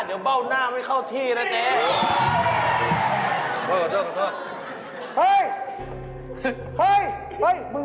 เดี๋ยวเบ้าหน้าไม่เข้าที่นะเจ๊